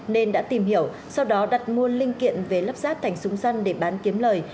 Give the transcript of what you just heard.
nên đã tìm hiểu sau đó đặt mua linh kiện về lắp ráp thành súng săn để bán kiếm lời